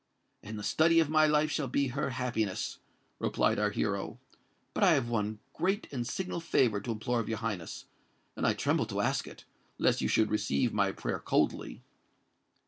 "And the study of my life shall be her happiness," replied our hero. "But I have one great and signal favour to implore of your Highness; and I tremble to ask it—lest you should receive my prayer coldly."